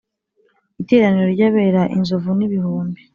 Iteraniro ry’ abera, Inzovu n’ ibihumbi,